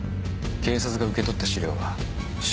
警察が受け取った資料は処分した。